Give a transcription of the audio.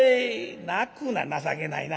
「泣くな情けないな。